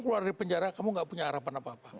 keluar dari penjara kamu gak punya harapan apa apa